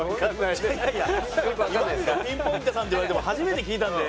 「いわゆるピンポイントさん」って言われても初めて聞いたので。